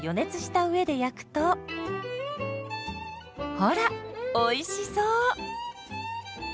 ほらおいしそう！